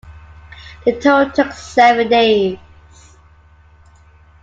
The tow took seven days.